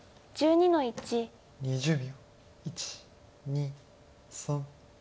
２０秒。